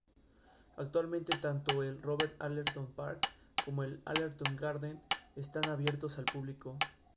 Actualmente, tanto el "Robert Allerton Park" como el "Allerton Garden" están abiertos al público.